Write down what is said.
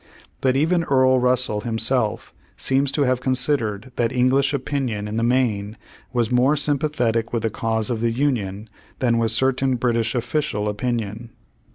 But even Earl Russell himself seems to have considered that English opinion in the main was more sympathetic with the cause of the Union, than was certain British official opinion.